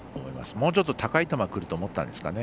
もうちょっと高い球がくると思ったんですかね。